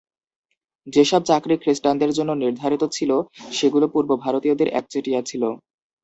যেসব চাকরি খ্রিস্টানদের জন্য নির্ধারিত ছিল, সেগুলো পূর্ব ভারতীয়দের একচেটিয়া ছিল।